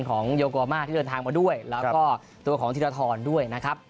ของโยโกมาที่เดินทางมาด้วยแล้วก็ตัวของธีรทรด้วยนะครับ